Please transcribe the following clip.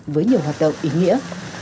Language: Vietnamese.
với nhiều hoạt động ý nghĩa